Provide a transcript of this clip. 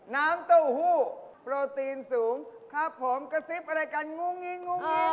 น้ำเต้าหู้โปรตีนสูงครับผมกระซิบอะไรกันงุ้งงีงู